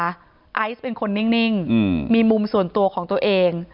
ไอซ์เป็นคนนิ่งมีมุมส่วนตัวของตัวเอง